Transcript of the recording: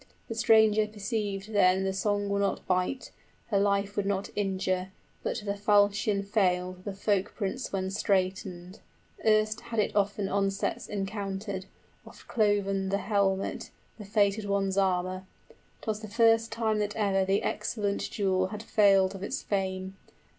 The stranger perceived then {The sword will not bite.} The sword would not bite, her life would not injure, 50 But the falchion failed the folk prince when straitened: Erst had it often onsets encountered, Oft cloven the helmet, the fated one's armor: 'Twas the first time that ever the excellent jewel Had failed of its fame.